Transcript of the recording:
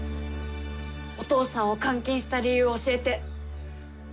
お父さんを監禁した理由教えて。